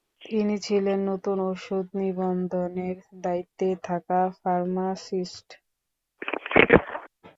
তিনি ছিলেন নতুন ওষুধ নিবন্ধনের দায়িত্বে থাকা ফার্মাসিস্ট।